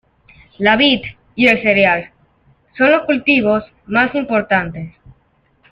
La vid y el cereal son los cultivos más importantes.